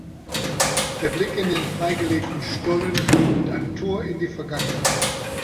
Der Blick in den freigelegten Stollen öffnet ein Tor in die Vergangenheit.